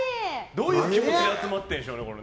どういう気持ちで集まってるんでしょうね。